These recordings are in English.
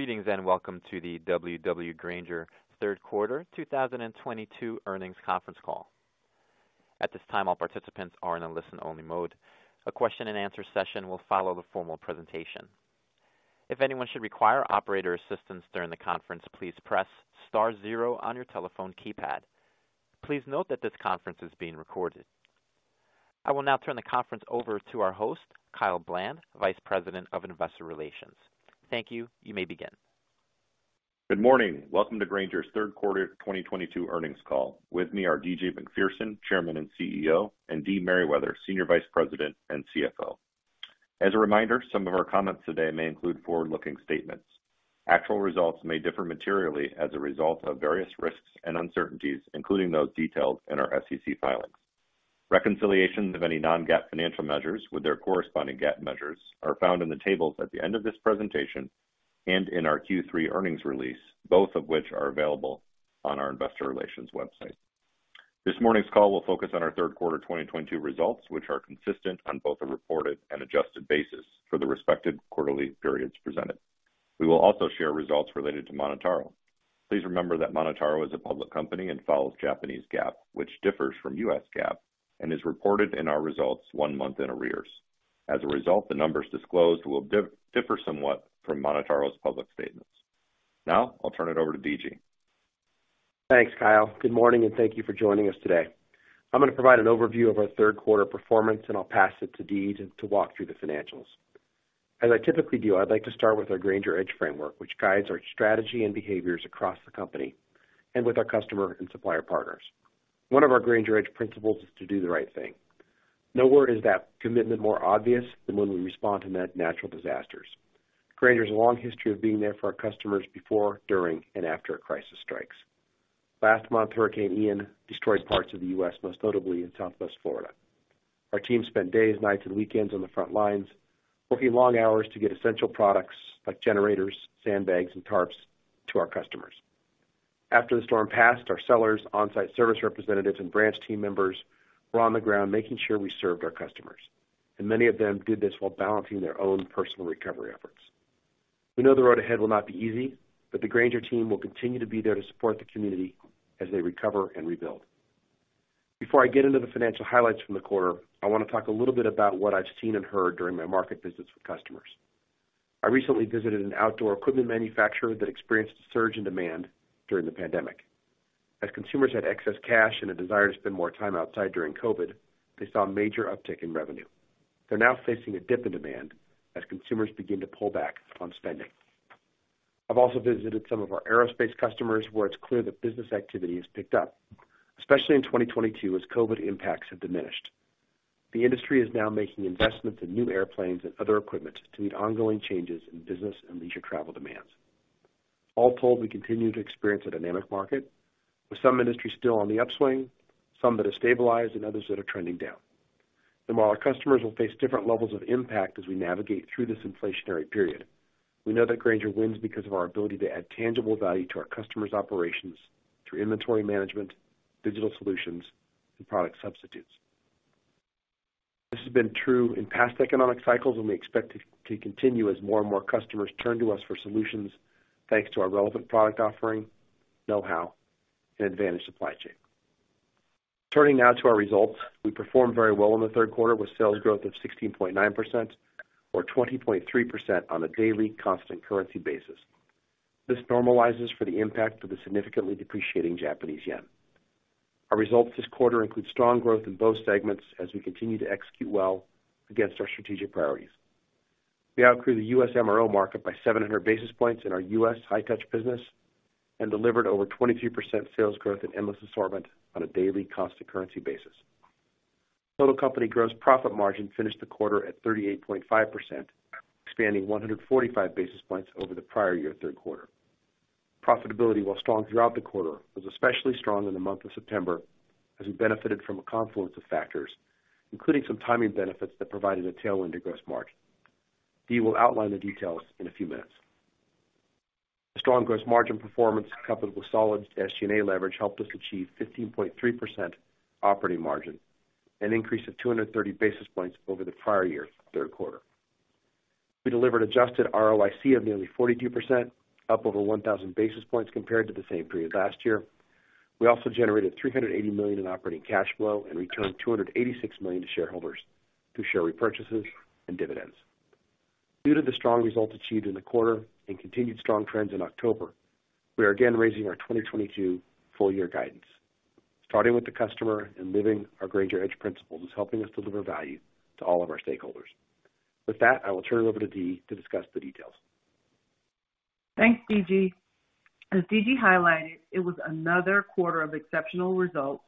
Greetings, and welcome to the W.W. Grainger third quarter 2022 earnings conference call. At this time, all participants are in a listen-only mode. A question-and-answer session will follow the formal presentation. If anyone should require operator assistance during the conference, please press star zero on your telephone keypad. Please note that this conference is being recorded. I will now turn the conference over to our host, Kyle Bland, Vice President of Investor Relations. Thank you. You may begin. Good morning. Welcome to Grainger's third quarter 2022 earnings call. With me are D.G. Macpherson, Chairman and CEO, and Dee Merriwether, Senior Vice President and CFO. As a reminder, some of our comments today may include forward-looking statements. Actual results may differ materially as a result of various risks and uncertainties, including those detailed in our SEC filings. Reconciliations of any non-GAAP financial measures with their corresponding GAAP measures are found in the tables at the end of this presentation and in our Q3 earnings release, both of which are available on our investor relations website. This morning's call will focus on our third quarter 2022 results, which are consistent on both a reported and adjusted basis for the respective quarterly periods presented. We will also share results related to MonotaRO. Please remember that MonotaRO is a public company and follows Japanese GAAP, which differs from US GAAP and is reported in our results one month in arrears. As a result, the numbers disclosed will differ somewhat from MonotaRO's public statements. Now I'll turn it over to D.G. Thanks, Kyle. Good morning, and thank you for joining us today. I'm gonna provide an overview of our third quarter performance, and I'll pass it to Dee to walk through the financials. As I typically do, I'd like to start with our Grainger Edge framework, which guides our strategy and behaviors across the company and with our customer and supplier partners. One of our Grainger Edge principles is to do the right thing. Nowhere is that commitment more obvious than when we respond to natural disasters. Grainger has a long history of being there for our customers before, during, and after a crisis strikes. Last month, Hurricane Ian destroyed parts of the U.S., most notably in Southwest Florida. Our team spent days, nights, and weekends on the front lines, working long hours to get essential products like generators, sandbags, and tarps to our customers. After the storm passed, our sellers, on-site service representatives, and branch team members were on the ground making sure we served our customers, and many of them did this while balancing their own personal recovery efforts. We know the road ahead will not be easy, but the Grainger team will continue to be there to support the community as they recover and rebuild. Before I get into the financial highlights from the quarter, I wanna talk a little bit about what I've seen and heard during my market visits with customers. I recently visited an outdoor equipment manufacturer that experienced a surge in demand during the pandemic. As consumers had excess cash and a desire to spend more time outside during COVID, they saw a major uptick in revenue. They're now facing a dip in demand as consumers begin to pull back on spending. I've also visited some of our aerospace customers, where it's clear that business activity has picked up, especially in 2022 as COVID impacts have diminished. The industry is now making investments in new airplanes and other equipment to meet ongoing changes in business and leisure travel demands. All told, we continue to experience a dynamic market, with some industries still on the upswing, some that have stabilized, and others that are trending down. While our customers will face different levels of impact as we navigate through this inflationary period, we know that Grainger wins because of our ability to add tangible value to our customers' operations through inventory management, digital solutions, and product substitutes. This has been true in past economic cycles, and we expect it to continue as more and more customers turn to us for solutions, thanks to our relevant product offering, know-how, and advantaged supply chain. Turning now to our results. We performed very well in the third quarter with sales growth of 16.9%, or 20.3% on a daily constant currency basis. This normalizes for the impact of the significantly depreciating Japanese yen. Our results this quarter include strong growth in both segments as we continue to execute well against our strategic priorities. We outgrew the U.S. MRO market by 700 basis points in our U.S. High-Touch business and delivered over 23% sales growth in Endless Assortment on a daily constant currency basis. Total company gross profit margin finished the quarter at 38.5%, expanding 145 basis points over the prior year third quarter. Profitability, while strong throughout the quarter, was especially strong in the month of September as we benefited from a confluence of factors, including some timing benefits that provided a tailwind to gross margin. Dee will outline the details in a few minutes. A strong gross margin performance, coupled with solid SG&A leverage, helped us achieve 15.3% operating margin, an increase of 230 basis points over the prior year third quarter. We delivered adjusted ROIC of nearly 42%, up over 1,000 basis points compared to the same period last year. We also generated $380 million in operating cash flow and returned $286 million to shareholders through share repurchases and dividends. Due to the strong results achieved in the quarter and continued strong trends in October, we are again raising our 2022 full year guidance. Starting with the customer and living our Grainger Edge principles is helping us deliver value to all of our stakeholders. With that, I will turn it over to Dee to discuss the details. Thanks, D.G. As D.G. highlighted, it was another quarter of exceptional results,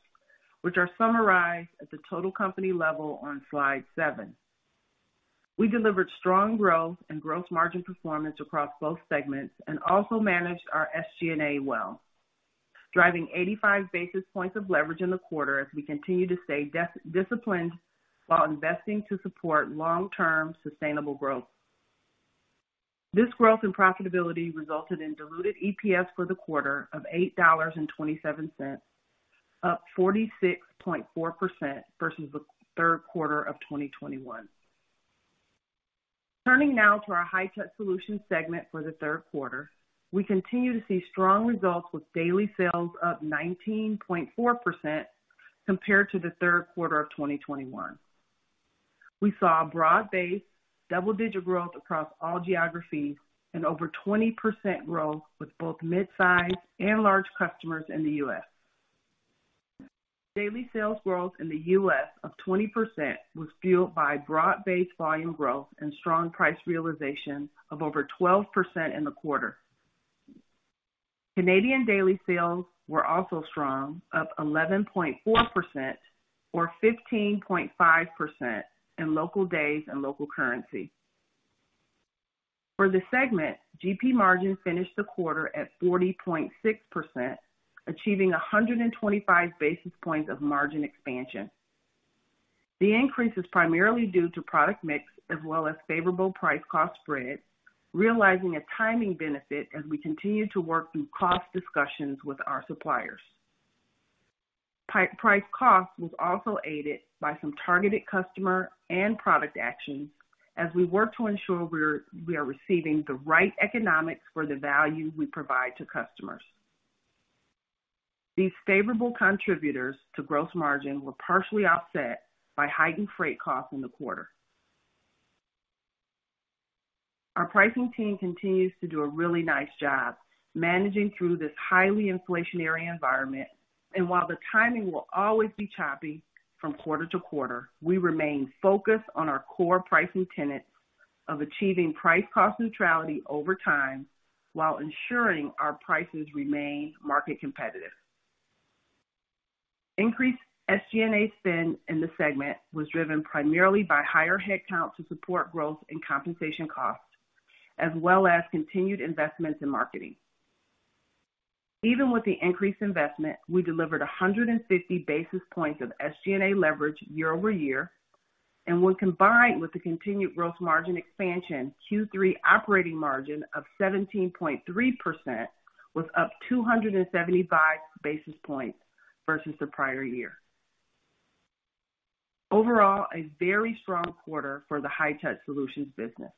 which are summarized at the total company level on slide seven. We delivered strong growth and gross margin performance across both segments and also managed our SG&A well, driving 85 basis points of leverage in the quarter as we continue to stay disciplined while investing to support long-term sustainable growth. This growth and profitability resulted in diluted EPS for the quarter of $8.27. Up 46.4% versus the third quarter of 2021. Turning now to our High-Touch Solutions segment for the third quarter. We continue to see strong results with daily sales up 19.4% compared to the third quarter of 2021. We saw a broad-based double-digit growth across all geographies and over 20% growth with both mid-size and large customers in the U.S. daily sales growth in the U.S. of 20% was fueled by broad-based volume growth and strong price realization of over 12% in the quarter. Canadian daily sales were also strong, up 11.4% or 15.5% in local days and local currency. For the segment, GP margin finished the quarter at 40.6%, achieving 125 basis points of margin expansion. The increase is primarily due to product mix as well as favorable price cost spread, realizing a timing benefit as we continue to work through cost discussions with our suppliers. Price cost was also aided by some targeted customer and product actions as we work to ensure we are receiving the right economics for the value we provide to customers. These favorable contributors to gross margin were partially offset by heightened freight costs in the quarter. Our pricing team continues to do a really nice job managing through this highly inflationary environment. While the timing will always be choppy from quarter to quarter, we remain focused on our core pricing tenets of achieving price cost neutrality over time while ensuring our prices remain market competitive. Increased SG&A spend in the segment was driven primarily by higher headcount to support growth and compensation costs, as well as continued investments in marketing. Even with the increased investment, we delivered 150 basis points of SG&A leverage year-over-year, and when combined with the continued gross margin expansion, Q3 operating margin of 17.3% was up 275 basis points versus the prior year. Overall, a very strong quarter for the High-Touch Solutions business.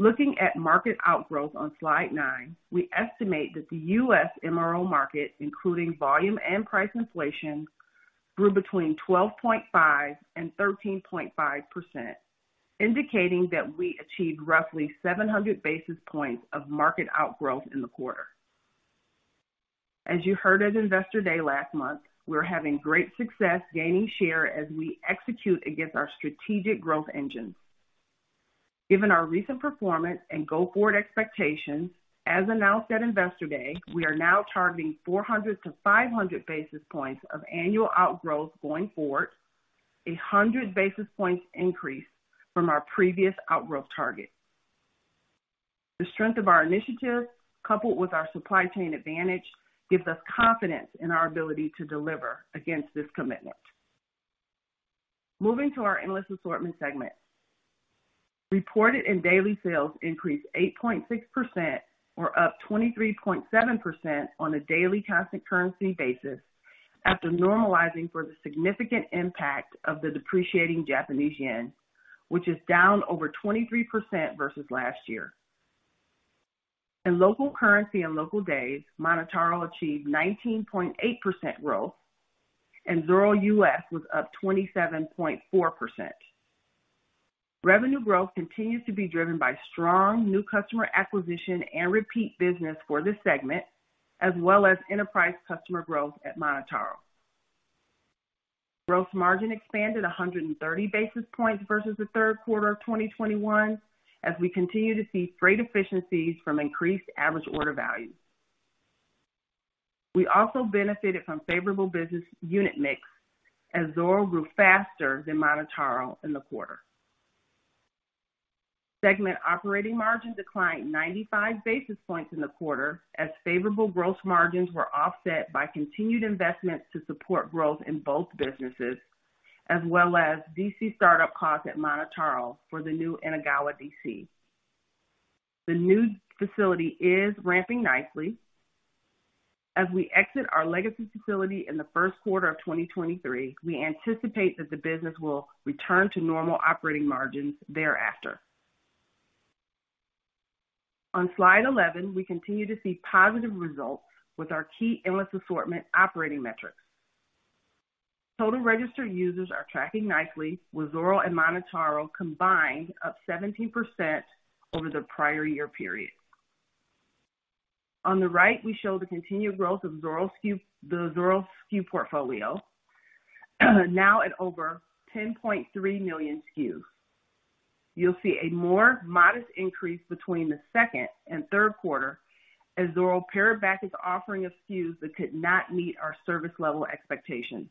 Looking at market outgrowth on slide nine, we estimate that the U.S. MRO market, including volume and price inflation, grew between 12.5% and 13.5%, indicating that we achieved roughly 700 basis points of market outgrowth in the quarter. As you heard at Investor Day last month, we're having great success gaining share as we execute against our strategic growth engines. Given our recent performance and go-forward expectations as announced at Investor Day, we are now targeting 400-500 basis points of annual outgrowth going forward, 100 basis points increase from our previous outgrowth target. The strength of our initiatives, coupled with our supply chain advantage, gives us confidence in our ability to deliver against this commitment. Moving to our Endless Assortment segment. Reported and daily sales increased 8.6% or up 23.7% on a daily constant currency basis after normalizing for the significant impact of the depreciating Japanese yen, which is down over 23% versus last year. In local currency and local days, MonotaRO achieved 19.8% growth and Zoro U.S. was up 27.4%. Revenue growth continues to be driven by strong new customer acquisition and repeat business for this segment, as well as enterprise customer growth at MonotaRO. Gross margin expanded 130 basis points versus the third quarter of 2021 as we continue to see freight efficiencies from increased average order values. We also benefited from favorable business unit mix as Zoro grew faster than MonotaRO in the quarter. Segment operating margin declined 95 basis points in the quarter as favorable gross margins were offset by continued investments to support growth in both businesses, as well as DC startup costs at MonotaRO for the new Inagawa DC. The new facility is ramping nicely. As we exit our legacy facility in the first quarter of 2023, we anticipate that the business will return to normal operating margins thereafter. On slide 11, we continue to see positive results with our key Endless Assortment operating metrics. Total registered users are tracking nicely, with Zoro and MonotaRO combined up 17% over the prior year period. On the right, we show the continued growth of Zoro SKU, the Zoro SKU portfolio, now at over 10.3 million SKUs. You'll see a more modest increase between the second and third quarter as Zoro pared back its offering of SKUs that could not meet our service level expectations.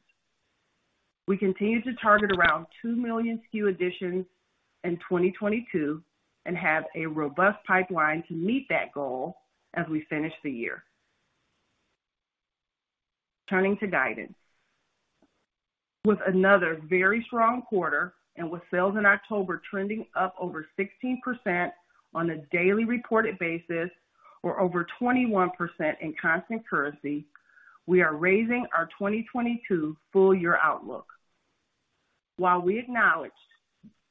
We continue to target around 2 million SKU additions in 2022 and have a robust pipeline to meet that goal as we finish the year. Turning to guidance. With another very strong quarter and with sales in October trending up over 16% on a daily reported basis or over 21% in constant currency, we are raising our 2022 full-year outlook. While we acknowledge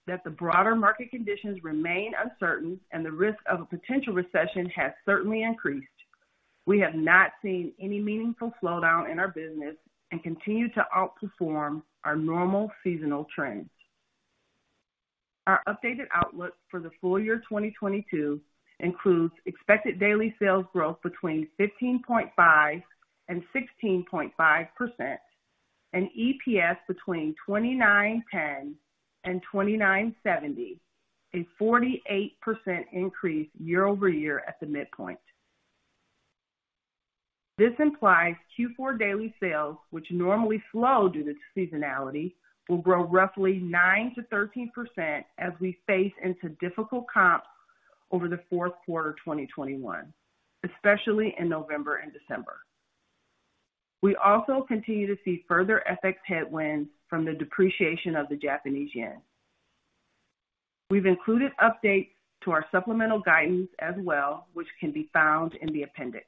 that the broader market conditions remain uncertain and the risk of a potential recession has certainly increased, we have not seen any meaningful slowdown in our business and continue to outperform our normal seasonal trends. Our updated outlook for the full year 2022 includes expected daily sales growth between 15.5% and 16.5% and EPS between $29.10 and $29.70, a 48% increase year-over-year at the midpoint. This implies Q4 daily sales, which normally slow due to seasonality, will grow roughly 9%-13% as we face into difficult comps over the fourth quarter 2021, especially in November and December. We also continue to see further FX headwinds from the depreciation of the Japanese yen. We've included updates to our supplemental guidance as well, which can be found in the appendix.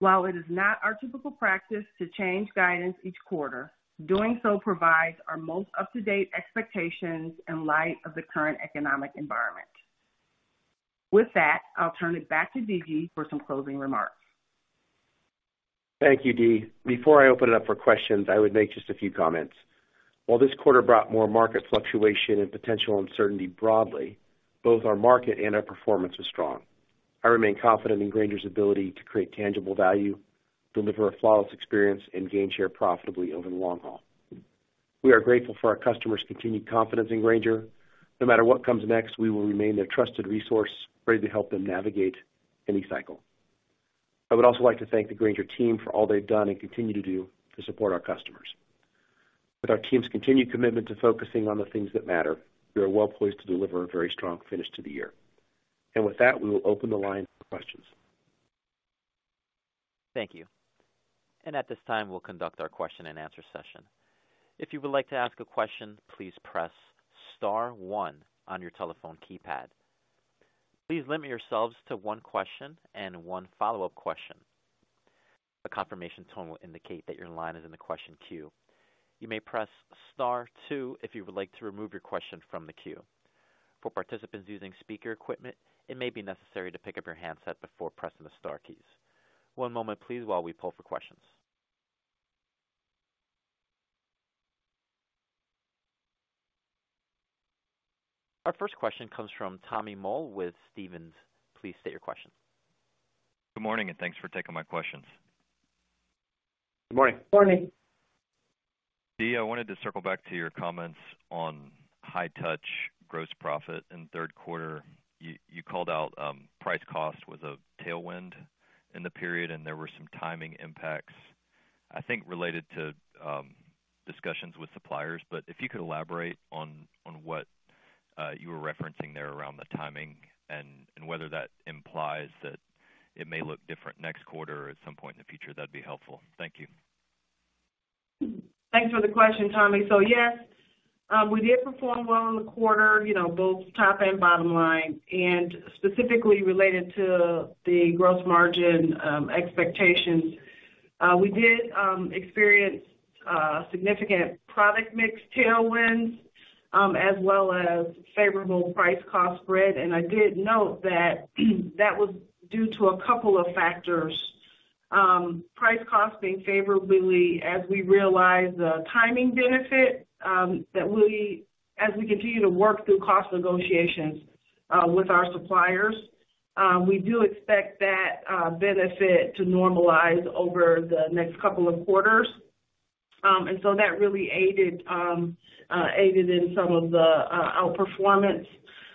While it is not our typical practice to change guidance each quarter, doing so provides our most up-to-date expectations in light of the current economic environment. With that, I'll turn it back to D.G. for some closing remarks. Thank you, Dee. Before I open it up for questions, I would make just a few comments. While this quarter brought more market fluctuation and potential uncertainty broadly, both our market and our performance was strong. I remain confident in Grainger's ability to create tangible value, deliver a flawless experience, and gain share profitably over the long haul. We are grateful for our customers' continued confidence in Grainger. No matter what comes next, we will remain their trusted resource, ready to help them navigate any cycle. I would also like to thank the Grainger team for all they've done and continue to do to support our customers. With our team's continued commitment to focusing on the things that matter, we are well poised to deliver a very strong finish to the year. With that, we will open the line for questions. Thank you. At this time, we'll conduct our question-and-answer session. If you would like to ask a question, please press star one on your telephone keypad. Please limit yourselves to one question and one follow-up question. A confirmation tone will indicate that your line is in the question queue. You may press star two if you would like to remove your question from the queue. For participants using speaker equipment, it may be necessary to pick up your handset before pressing the star keys. One moment, please, while we pull for questions. Our first question comes from Tommy Moll with Stephens. Please state your question. Good morning, and thanks for taking my questions. Good morning. Morning. Dee, I wanted to circle back to your comments on High-Touch gross profit in third quarter. You called out price cost was a tailwind in the period, and there were some timing impacts, I think, related to discussions with suppliers. If you could elaborate on what you were referencing there around the timing and whether that implies that it may look different next quarter or at some point in the future, that'd be helpful. Thank you. Thanks for the question, Tommy. Yes, we did perform well in the quarter, you know, both top and bottom line, and specifically related to the gross margin expectations. We did experience significant product mix tailwinds, as well as favorable price cost spread. I did note that was due to a couple of factors. Price cost being favorably as we realize the timing benefit as we continue to work through cost negotiations with our suppliers. We do expect that benefit to normalize over the next couple of quarters. That really aided in some of the outperformance.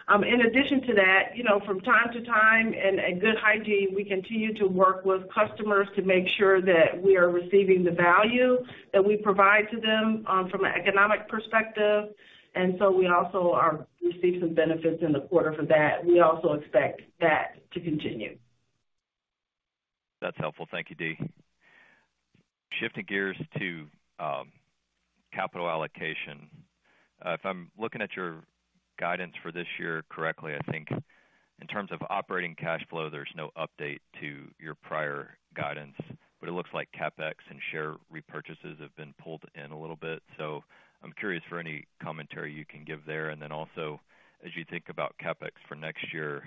In addition to that, you know, from time to time and at good hygiene, we continue to work with customers to make sure that we are receiving the value that we provide to them, from an economic perspective. We also received some benefits in the quarter for that. We also expect that to continue. That's helpful. Thank you, Dee. Shifting gears to capital allocation. If I'm looking at your guidance for this year correctly, I think in terms of operating cash flow, there's no update to your prior guidance, but it looks like CapEx and share repurchases have been pulled in a little bit. I'm curious for any commentary you can give there. Then also, as you think about CapEx for next year,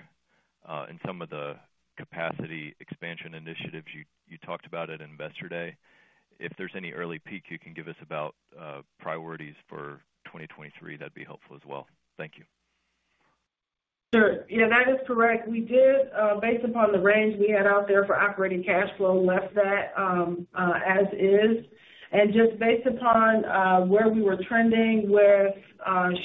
and some of the capacity expansion initiatives you talked about at Investor Day, if there's any early peek you can give us about priorities for 2023, that'd be helpful as well. Thank you. Sure. Yeah, that is correct. We did, based upon the range we had out there for operating cash flow, left that as is. Just based upon where we were trending with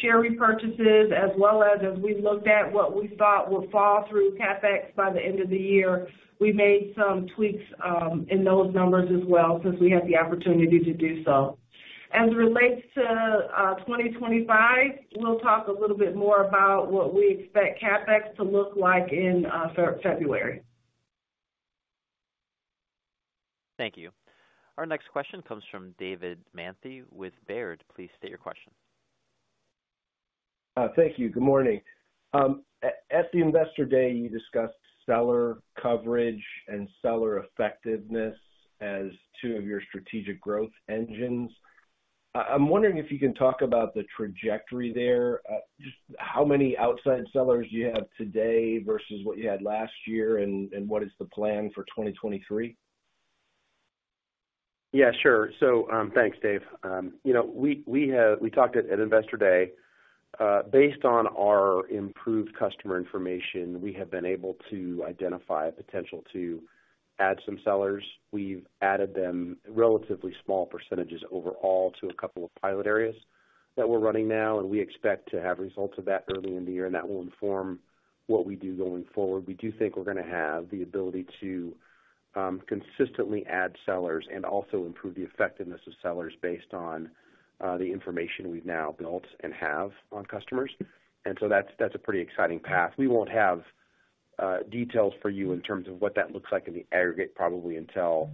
share repurchases, as well as we looked at what we thought would fall through CapEx by the end of the year, we made some tweaks in those numbers as well, since we had the opportunity to do so. As it relates to 2025, we'll talk a little bit more about what we expect CapEx to look like in February. Thank you. Our next question comes from David Manthey with Baird. Please state your question. Thank you. Good morning. At the Investor Day, you discussed seller coverage and seller effectiveness as two of your strategic growth engines. I'm wondering if you can talk about the trajectory there. Just how many outside sellers do you have today versus what you had last year? What is the plan for 2023? Yeah, sure. Thanks, Dave. You know, we have talked at Investor Day. Based on our improved customer information, we have been able to identify a potential to add some sellers. We've added them relatively small percentages overall to a couple of pilot areas that we're running now, and we expect to have results of that early in the year, and that will inform what we do going forward. We do think we're gonna have the ability to consistently add sellers and also improve the effectiveness of sellers based on the information we've now built and have on customers. That's a pretty exciting path. We won't have details for you in terms of what that looks like in the aggregate, probably until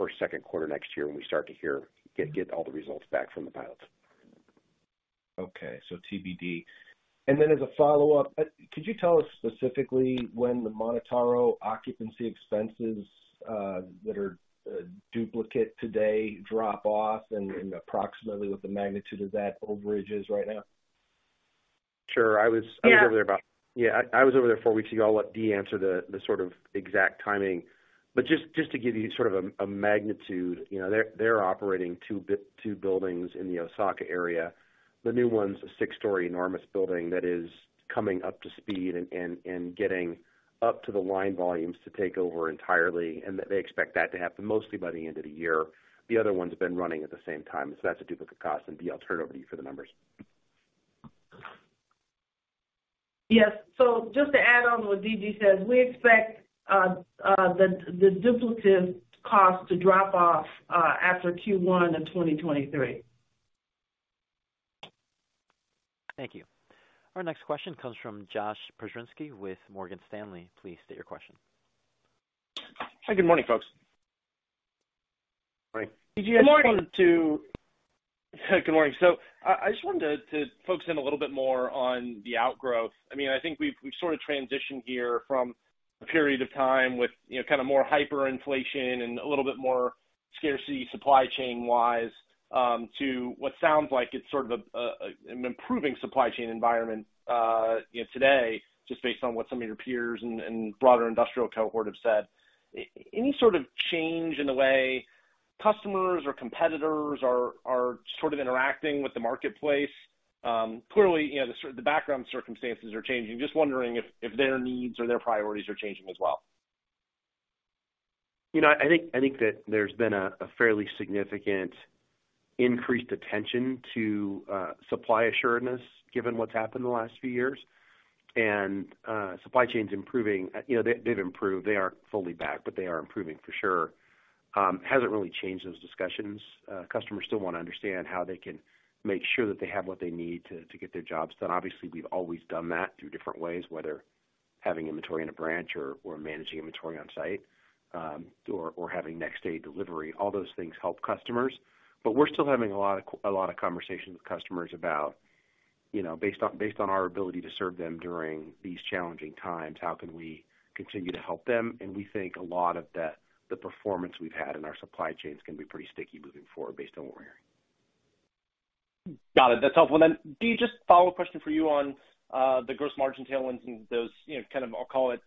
our second quarter next year when we start to get all the results back from the pilots. TBD. As a follow-up, could you tell us specifically when the MonotaRO occupancy expenses that are duplicate today drop off and approximately what the magnitude of that overage is right now? Sure. Yeah. I was over there about. Yeah, I was over there four weeks ago. I'll let Dee answer the sort of exact timing. Just to give you sort of a magnitude, you know, they're operating two buildings in the Osaka area. The new one's a six-story enormous building that is coming up to speed and getting up to the line volumes to take over entirely, and they expect that to happen mostly by the end of the year. The other one's been running at the same time. So that's a duplicate cost, and Dee, I'll turn it over to you for the numbers. Yes. Just to add on what D.G. says, we expect the duplicative cost to drop off after Q1 in 2023. Thank you. Our next question comes from Josh Pokrzywinski with Morgan Stanley. Please state your question. Hi. Good morning, folks. Morning. Good morning. D.G., good morning. I just wanted to focus in a little bit more on the outgrowth. I mean, I think we've sort of transitioned here from a period of time with, you know, kinda more hyperinflation and a little bit more scarcity supply chain-wise, to what sounds like it's sort of an improving supply chain environment, you know, today, just based on what some of your peers and broader industrial cohort have said. Any sort of change in the way customers or competitors are sort of interacting with the marketplace? Clearly, you know, the background circumstances are changing. Just wondering if their needs or their priorities are changing as well. You know, I think that there's been a fairly significant increased attention to supply assuredness given what's happened in the last few years. Supply chain's improving. You know, they've improved. They aren't fully back, but they are improving for sure. Hasn't really changed those discussions. Customers still wanna understand how they can make sure that they have what they need to get their jobs done. Obviously, we've always done that through different ways, whether having inventory in a branch or managing inventory on site or having next day delivery. All those things help customers. But we're still having a lot of conversations with customers about, you know, based on our ability to serve them during these challenging times, how can we continue to help them? We think a lot of that, the performance we've had in our supply chains can be pretty sticky moving forward based on what we're hearing. Got it. That's helpful. Dee, just a follow-up question for you on the gross margin tailwinds and those, you know, kind of, I'll call it,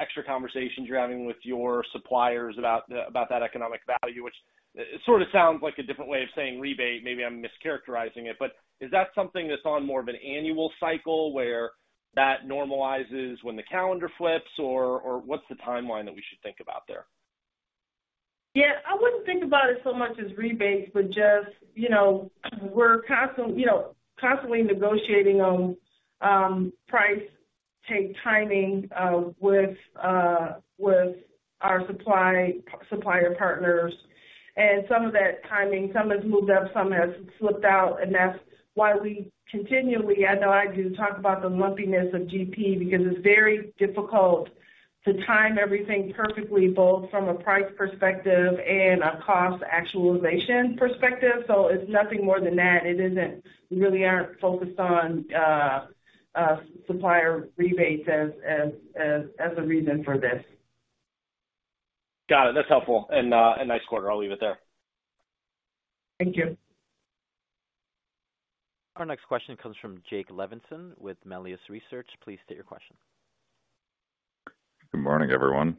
extra conversations you're having with your suppliers about that economic value, which it sorta sounds like a different way of saying rebate. Maybe I'm mischaracterizing it. But is that something that's on more of an annual cycle where that normalizes when the calendar flips? Or what's the timeline that we should think about there? Yeah. I wouldn't think about it so much as rebates, but just, you know, we're constantly negotiating on price take timing with our supplier partners. Some of that timing, some has moved up, some has slipped out, and that's why we continually, I know I do, talk about the lumpiness of GP because it's very difficult to time everything perfectly, both from a price perspective and a cost actualization perspective. It's nothing more than that. It isn't. We really aren't focused on supplier rebates as a reason for this. Got it. That's helpful and nice quarter. I'll leave it there. Thank you. Our next question comes from Jacob Levinson with Melius Research. Please state your question. Good morning, everyone.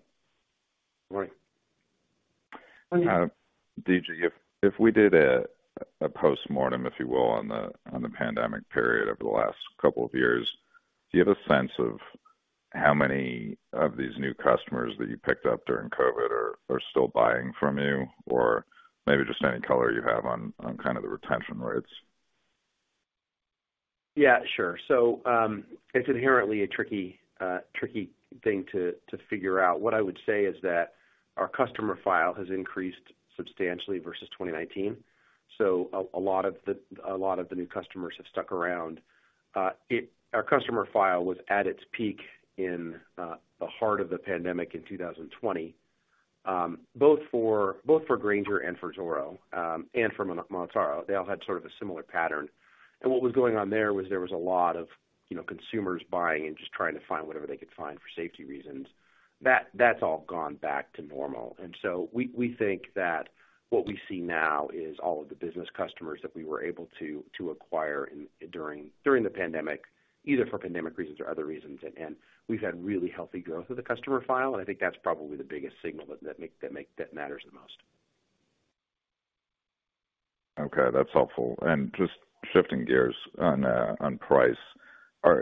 Morning. Morning. D.G., if we did a postmortem, if you will, on the pandemic period over the last couple of years, do you have a sense of how many of these new customers that you picked up during COVID are still buying from you? Or maybe just any color you have on kind of the retention rates? Yeah, sure. It's inherently a tricky thing to figure out. What I would say is that our customer file has increased substantially versus 2019. A lot of the new customers have stuck around. Our customer file was at its peak in the heart of the pandemic in 2020, both for Grainger and for Zoro and for MonotaRO. They all had sort of a similar pattern. What was going on there was a lot of, you know, consumers buying and just trying to find whatever they could find for safety reasons. That's all gone back to normal. We think that what we see now is all of the business customers that we were able to acquire during the pandemic, either for pandemic reasons or other reasons. We've had really healthy growth of the customer file, and I think that's probably the biggest signal that matters the most. Okay, that's helpful. Just shifting gears on price. I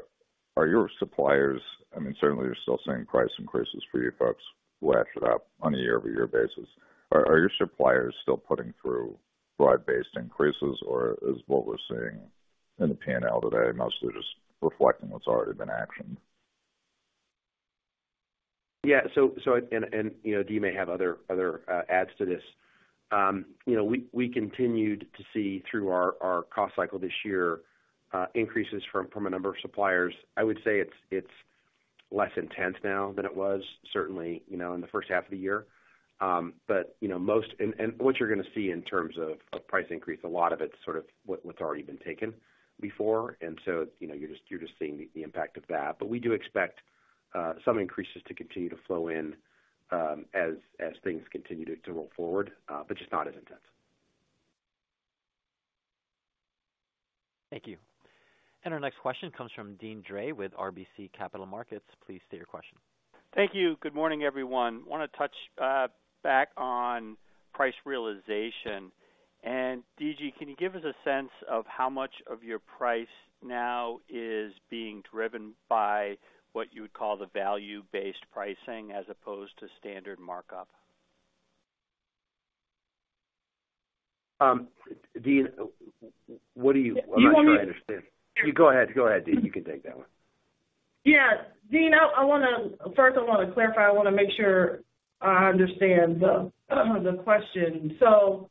mean, certainly you're still seeing price increases for you folks, lagged year-over-year. Are your suppliers still putting through broad-based increases or is what we're seeing in the P&L today mostly just reflecting what's already been actioned? Yeah. So, you know, Dee may have other adds to this. You know, we continued to see through our cost cycle this year, increases from a number of suppliers. I would say it's less intense now than it was certainly, you know, in the first half of the year. You know, most. What you're gonna see in terms of price increase, a lot of it's sort of what's already been taken before. You know, you're just seeing the impact of that. We do expect some increases to continue to flow in, as things continue to roll forward, but just not as intense. Thank you. Our next question comes from Deane Dray with RBC Capital Markets. Please state your question. Thank you. Good morning, everyone. Wanna touch back on price realization. D.G., can you give us a sense of how much of your price now is being driven by what you would call the value-based pricing as opposed to standard markup? Deane, what are you? I want to- I'm not sure I understand. Go ahead. Go ahead, Dee, you can take that one. Yeah. Deane, first, I wanna clarify. I wanna make sure I understand the question. Do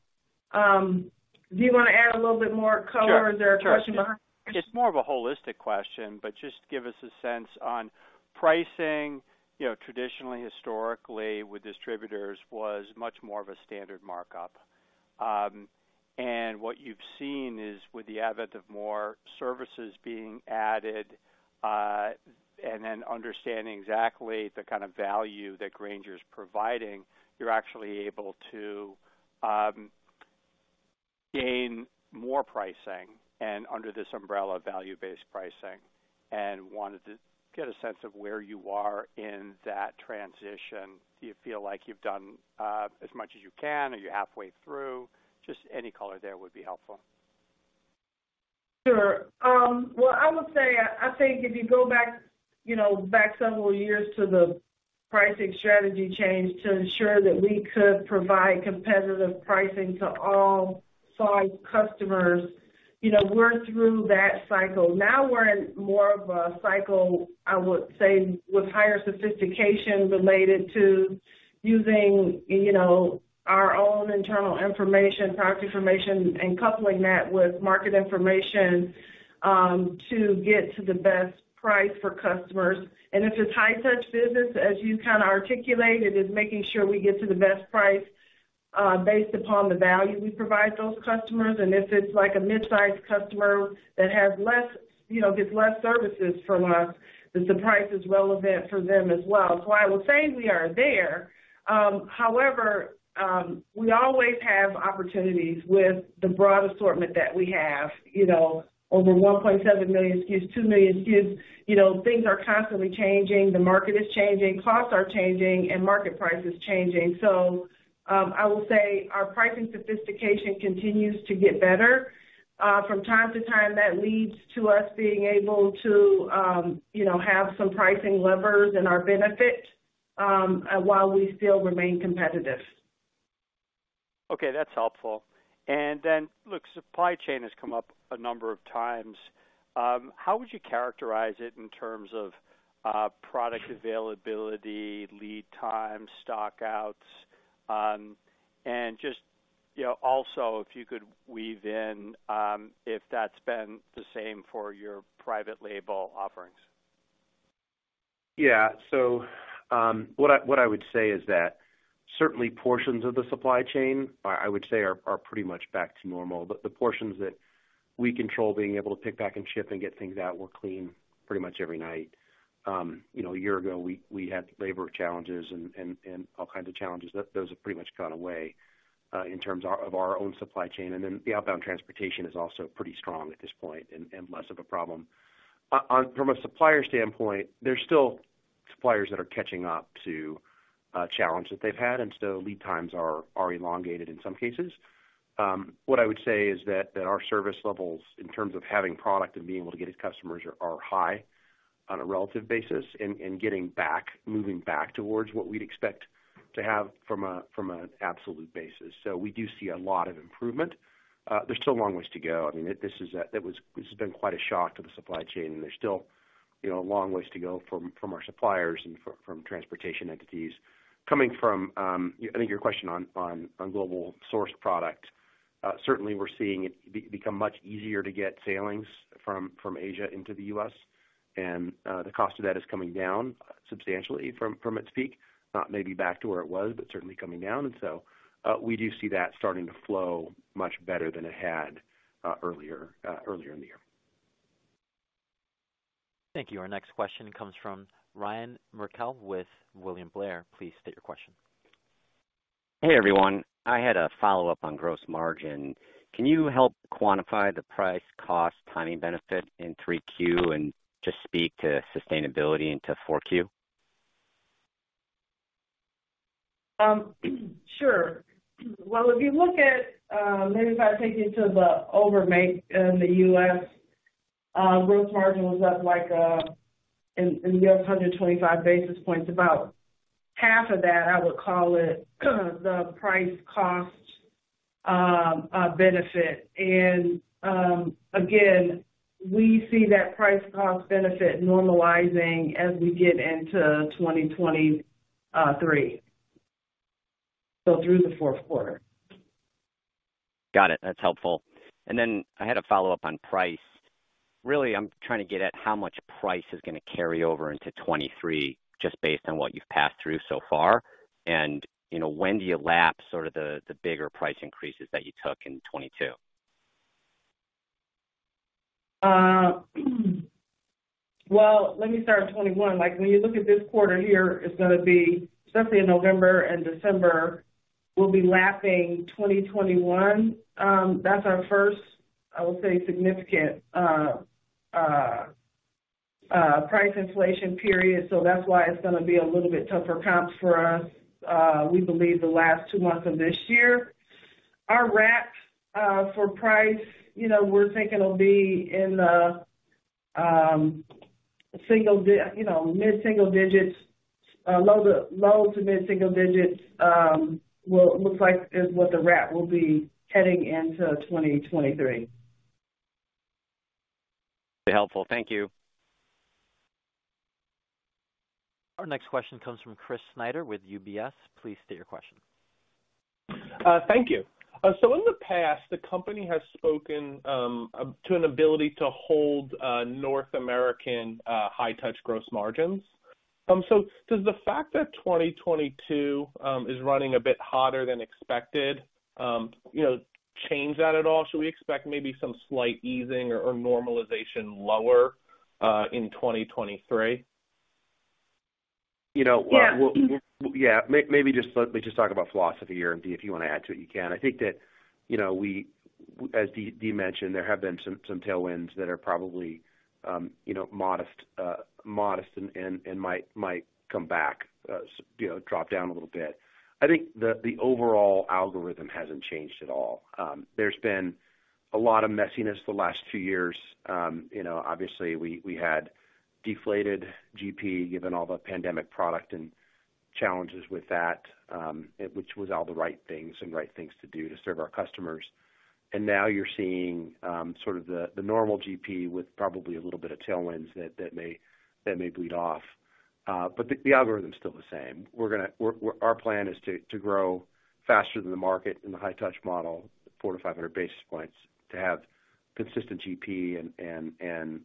you wanna add a little bit more color? Sure. Is there a question behind? It's more of a holistic question, but just give us a sense on pricing, you know, traditionally, historically with distributors was much more of a standard markup. What you've seen is with the advent of more services being added, and then understanding exactly the kind of value that Grainger is providing, you're actually able to gain more pricing and under this umbrella value-based pricing, and wanted to get a sense of where you are in that transition. Do you feel like you've done as much as you can? Are you halfway through? Just any color there would be helpful. Sure. Well, I would say I think if you go back, you know, back several years to the pricing strategy change to ensure that we could provide competitive pricing to all five customers, you know, we're through that cycle. Now we're in more of a cycle, I would say, with higher sophistication related to using, you know, our own internal information, product information, and coupling that with market information to get to the best price for customers. If it's high touch business, as you kinda articulated, is making sure we get to the best price based upon the value we provide those customers. If it's like a mid-size customer that has less, you know, gets less services from us, that the price is relevant for them as well. I would say we are there. However, we always have opportunities with the broad assortment that we have, you know, over 1.7 million SKUs, 2 million SKUs. You know, things are constantly changing, the market is changing, costs are changing, and market price is changing. I will say our pricing sophistication continues to get better. From time to time, that leads to us being able to, you know, have some pricing levers in our benefit, while we still remain competitive. Okay, that's helpful. Look, supply chain has come up a number of times. How would you characterize it in terms of product availability, lead time, stock-outs? Just, you know, also if you could weave in if that's been the same for your private label offerings. Yeah, what I would say is that certainly portions of the supply chain are pretty much back to normal. The portions that we control, being able to pick, pack, and ship and get things out, we're clean pretty much every night. You know, a year ago, we had labor challenges and all kinds of challenges. Those have pretty much gone away in terms of our own supply chain. Then the outbound transportation is also pretty strong at this point and less of a problem. From a supplier standpoint, there's still suppliers that are catching up to challenges that they've had, and so lead times are elongated in some cases. What I would say is that our service levels in terms of having product and being able to get it to customers are high on a relative basis and getting back, moving back towards what we'd expect to have from an absolute basis. We do see a lot of improvement. There's still a long ways to go. I mean, this has been quite a shock to the supply chain, and there's still, you know, a long ways to go from our suppliers and from transportation entities. Coming from, I think your question on globally sourced product. Certainly we're seeing it become much easier to get sailings from Asia into the U.S., and the cost of that is coming down substantially from its peak, not maybe back to where it was, but certainly coming down. We do see that starting to flow much better than it had earlier in the year. Thank you. Our next question comes from Ryan Merkel with William Blair. Please state your question. Hey, everyone. I had a follow-up on gross margin. Can you help quantify the price cost timing benefit in Q3 and just speak to sustainability into Q4? Sure. Well, if you look at, maybe if I take you to the overall in the U.S., gross margin was up like in the U.S. 125 basis points. About half of that, I would call it, the price cost benefit. Again, we see that price cost benefit normalizing as we get into 2023. So through the fourth quarter. Got it. That's helpful. I had a follow-up on price. Really, I'm trying to get at how much price is gonna carry over into 2023, just based on what you've passed through so far, and, you know, when do you lap sort of the bigger price increases that you took in 2022? Well, let me start with 2021. Like, when you look at this quarter here, it's gonna be, especially in November and December, we'll be lapping 2021. That's our first, I will say, significant price inflation period. So that's why it's gonna be a little bit tougher comps for us, we believe the last two months of this year. Our wrap for price, you know, we're thinking will be in the single digits, you know, mid-single digits, low to mid-single digits, well, looks like is what the wrap will be heading into 2023. Be helpful. Thank you. Our next question comes from Chris Snyder with UBS. Please state your question. Thank you. In the past, the company has spoken to an ability to hold North American High-Touch gross margins. Does the fact that 2022 is running a bit hotter than expected, you know, change that at all? Should we expect maybe some slight easing or normalization lower in 2023? You know, Yeah. Yeah. Maybe just let me just talk about philosophy here, and if you wanna add to it, you can. I think that we, as Dee mentioned, there have been some tailwinds that are probably modest and might come back, drop down a little bit. I think the overall algorithm hasn't changed at all. There's been a lot of messiness the last two years. Obviously we had deflated GP given all the pandemic product and challenges with that, which was all the right things to do to serve our customers. Now you're seeing sort of the normal GP with probably a little bit of tailwinds that may bleed off. The algorithm is still the same. Our plan is to grow faster than the market in the High-Touch model, 400-500 basis points, to have consistent GP and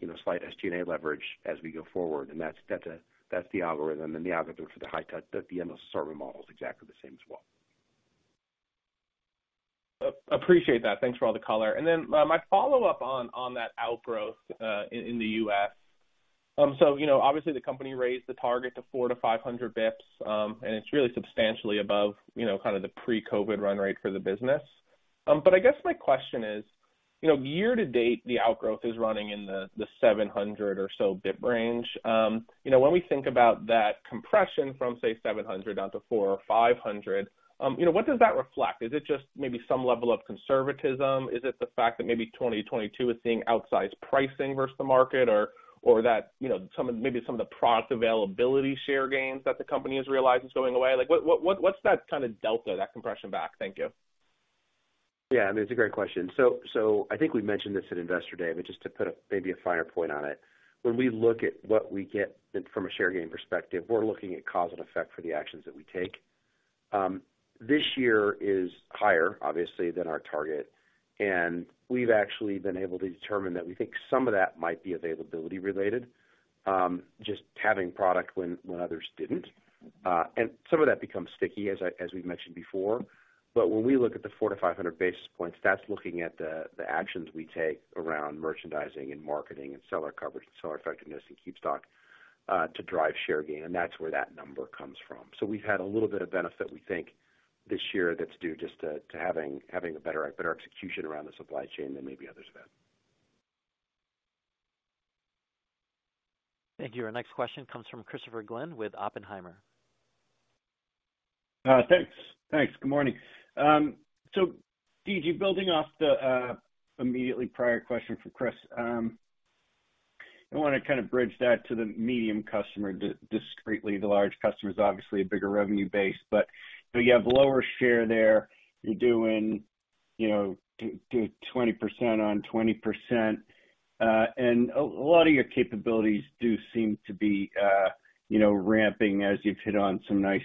you know, slight SG&A leverage as we go forward. That's the algorithm. The algorithm for the High-Touch, the Endless Assortment model is exactly the same as well. Appreciate that. Thanks for all the color. My follow-up on that outgrowth in the U.S. You know, obviously the company raised the target to 400-500 BPS, and it's really substantially above, you know, kind of the pre-COVID run rate for the business. But I guess my question is, you know, year to date, the outgrowth is running in the 700 or so BP range. You know, when we think about that compression from, say, 700 down to 400 or 500, you know, what does that reflect? Is it just maybe some level of conservatism? Is it the fact that maybe 2022 is seeing outsized pricing versus the market or that, you know, some of. Maybe some of the product availability share gains that the company has realized is going away? Like, what's that kind of delta, that compression back? Thank you. Yeah. I mean, it's a great question. I think we mentioned this at Investor Day, but just to put a maybe a finer point on it. When we look at what we get from a share gain perspective, we're looking at cause and effect for the actions that we take. This year is higher, obviously, than our target, and we've actually been able to determine that we think some of that might be availability related, just having product when others didn't. And some of that becomes sticky, as we mentioned before. When we look at the 400-500 basis points, that's looking at the actions we take around merchandising and marketing and seller coverage and seller effectiveness and KeepStock to drive share gain. That's where that number comes from. We've had a little bit of benefit we think this year that's due just to having a better execution around the supply chain than maybe others have. Thank you. Our next question comes from Christopher Glynn with Oppenheimer. Thanks. Good morning. DG, building off the immediately prior question from Chris. I wanna kinda bridge that to the medium customer discretely. The large customer is obviously a bigger revenue base, but you have lower share there. You're doing, you know, 20% on 20%. A lot of your capabilities do seem to be, you know, ramping as you've hit on some nice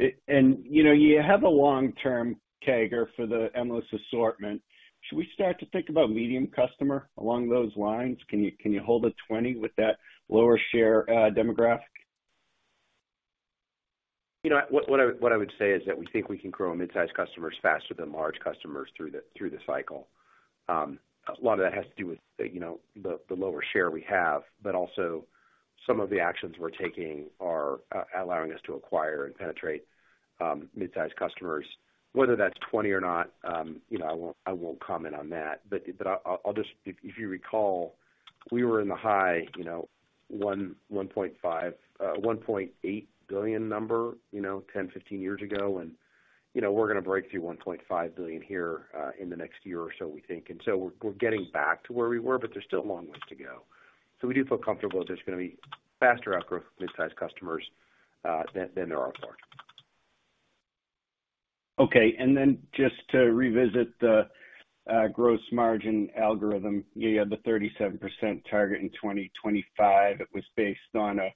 algorithms. And you know, you have a long-term CAGR for the Endless Assortment. Should we start to think about medium customer along those lines? Can you hold a 20 with that lower share demographic? You know, what I would say is that we think we can grow mid-sized customers faster than large customers through the cycle. A lot of that has to do with, you know, the lower share we have, but also some of the actions we're taking are allowing us to acquire and penetrate mid-sized customers. Whether that's 20 or not, you know, I won't comment on that. I'll just. If you recall, we were in the high $1.5 billion, $1.8 billion number, you know, 10, 15 years ago. You know, we're gonna break through $1.5 billion here in the next year or so, we think. We're getting back to where we were, but there's still a long ways to go. We do feel comfortable there's gonna be faster outgrowth for mid-sized customers than there are for large. Okay. Just to revisit the gross margin algorithm. You had the 37% target in 2025. It was based on a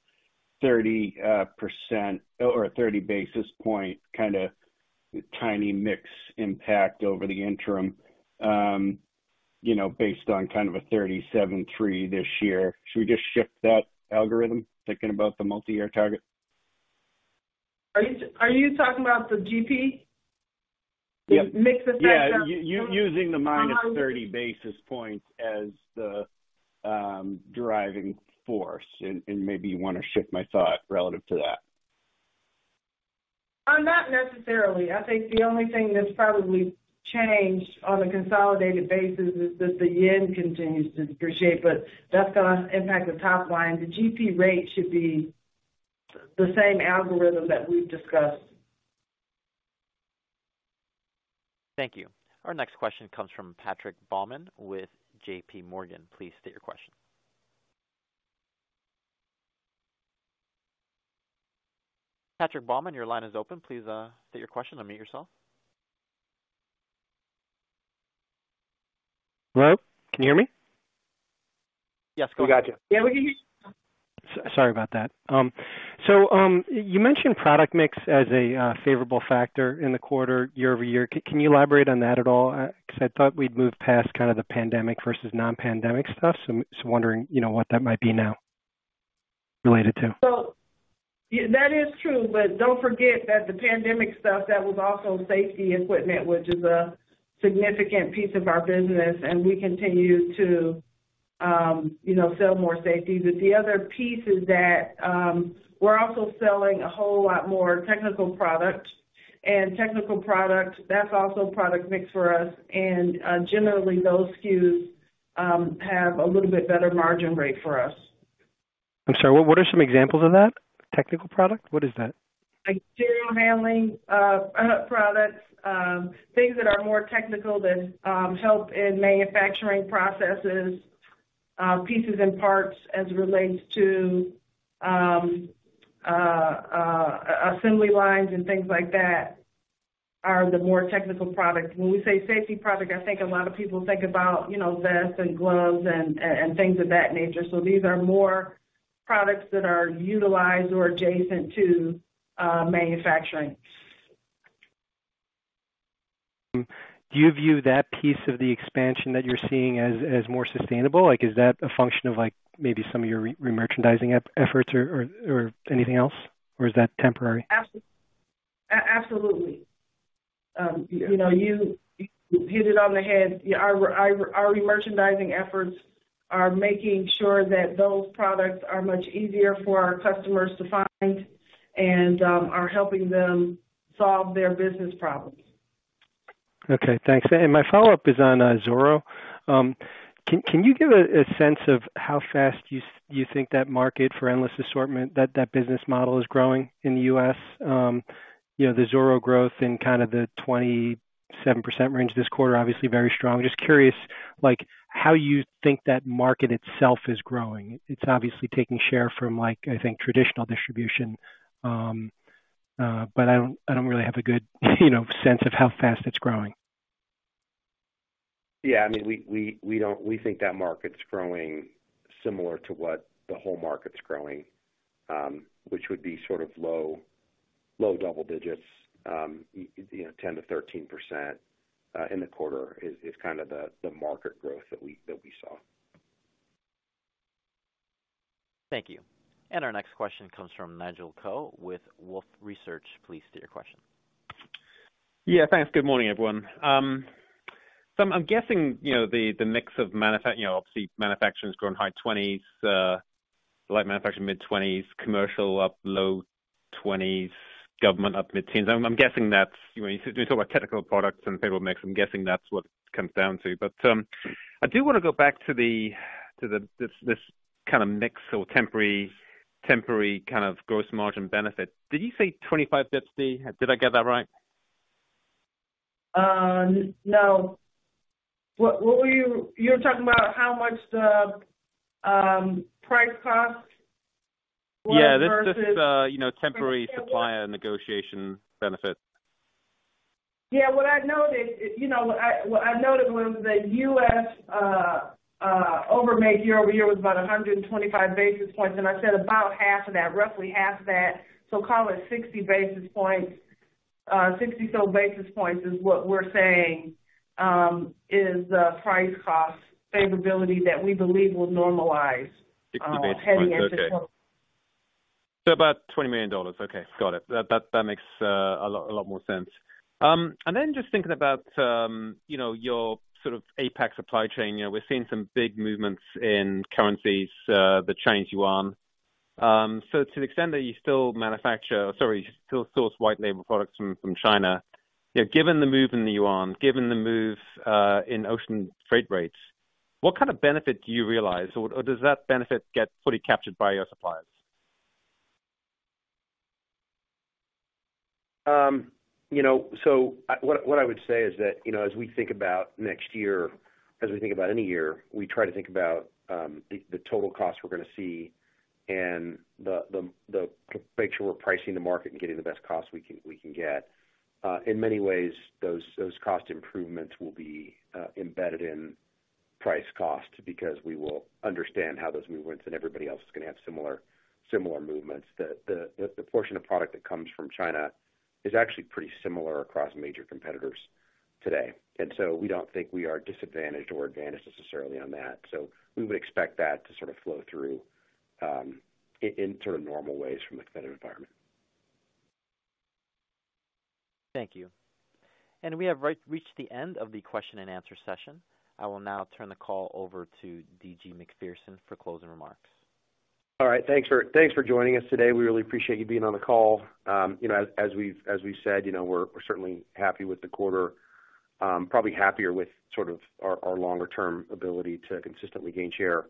30% or a 30 basis point, kinda tiny mix impact over the interim, based on kind of a 37.3% this year. Should we just shift that algorithm, thinking about the multi-year target? Are you talking about the GP? Yep. The mix effect of Yeah. Using the -30 basis points as the driving force, and maybe you wanna shift my thought relative to that. Not necessarily. I think the only thing that's probably changed on a consolidated basis is that the yen continues to depreciate, but that's gonna impact the top line. The GP rate should be the same algorithm that we've discussed. Thank you. Our next question comes from Patrick Baumann with JPMorgan. Please state your question. Patrick Baumann, your line is open. Please, state your question. Unmute yourself. Hello, can you hear me? Yes, go ahead. We got you. Yeah, we can hear you. Sorry about that. You mentioned product mix as a favorable factor in the quarter year over year. Can you elaborate on that at all? 'Cause I thought we'd moved past kind of the pandemic versus non-pandemic stuff, so wondering, you know, what that might be now related to. Yeah, that is true, but don't forget that the pandemic stuff, that was also safety equipment, which is a significant piece of our business, and we continue to sell more safety. The other piece is that we're also selling a whole lot more technical product. Technical product, that's also product mix for us, and generally, those SKUs have a little bit better margin rate for us. I'm sorry, what are some examples of that? Technical product, what is that? Material handling products, things that are more technical that help in manufacturing processes, pieces and parts as it relates to assembly lines and things like that are the more technical products. When we say safety product, I think a lot of people think about, you know, vests and gloves and things of that nature. These are more products that are utilized or adjacent to manufacturing. Do you view that piece of the expansion that you're seeing as more sustainable? Like, is that a function of, like, maybe some of your re-merchandising efforts or anything else? Or is that temporary? Absolutely. You know, you hit the nail on the head. Our re-merchandising efforts are making sure that those products are much easier for our customers to find and are helping them solve their business problems. Okay, thanks. My follow-up is on Zoro. Can you give a sense of how fast you think that market for Endless Assortment, that business model is growing in the U.S.? You know, the Zoro growth in kind of the 27% range this quarter, obviously very strong. Just curious, like, how you think that market itself is growing. It's obviously taking share from like, I think, traditional distribution, but I don't really have a good, you know, sense of how fast it's growing. Yeah. I mean, we think that market's growing similar to what the whole market's growing, which would be sort of low double digits. You know, 10%-13% in the quarter is kind of the market growth that we saw. Thank you. Our next question comes from Nigel Coe with Wolfe Research. Please state your question. Yeah, thanks. Good morning, everyone. I'm guessing, you know, the mix of manufacturing, you know, obviously manufacturing has grown high 20s, light manufacturing mid-20s, commercial up low 20s, government up mid-teens. I'm guessing that's, you know, when you talk about technical products and favorable mix, I'm guessing that's what this comes down to. I do wanna go back to the, to this kinda mix or temporary kind of gross margin benefit. Did you say 25 BP? Did I get that right? No. What were you. You were talking about how much the price cost. Yeah, that's just, you know, temporary supplier negotiation benefit. Yeah. What I noted, you know, was the U.S. overall year-over-year was about 125 basis points, and I said about half of that, roughly half that. Call it 60 basis points, 64 basis points is what we're saying, is the price cost favorability that we believe will normalize, heading into. 60 basis points. Okay. About $20 million. Okay, got it. That makes a lot more sense. Just thinking about you know, your sort of APAC supply chain. You know, we're seeing some big movements in currencies, the Chinese yuan. To the extent that you still source white label products from China, you know, given the move in the yuan, given the move in ocean freight rates, what kind of benefit do you realize? Or does that benefit get fully captured by your suppliers? You know, what I would say is that, you know, as we think about next year, as we think about any year, we try to think about the total cost we're gonna see and make sure we're pricing the market and getting the best cost we can get. In many ways, those cost improvements will be embedded in price cost because we will understand how those movements and everybody else is gonna have similar movements. The portion of product that comes from China is actually pretty similar across major competitors today. We don't think we are disadvantaged or advantaged necessarily on that. We would expect that to sort of flow through in sort of normal ways from a competitive environment. Thank you. We have reached the end of the question and answer session. I will now turn the call over to D.G. Macpherson for closing remarks. All right. Thanks for joining us today. We really appreciate you being on the call. You know, as we've said, you know, we're certainly happy with the quarter. Probably happier with sort of our longer term ability to consistently gain share,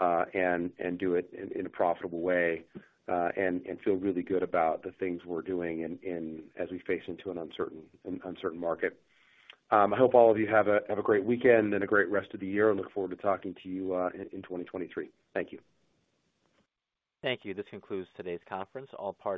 and do it in a profitable way. And feel really good about the things we're doing in as we face into an uncertain market. I hope all of you have a great weekend and a great rest of the year. Look forward to talking to you in 2023. Thank you. Thank you. This concludes today's conference. All parties.